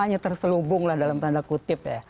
apanya terselubung dalam tanda kutip